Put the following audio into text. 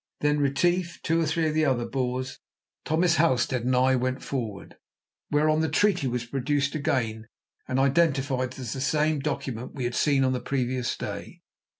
Then Retief, two or three of the other Boers, Thomas Halstead and I went forward, whereon the treaty was produced again and identified as the same document that we had seen on the previous day.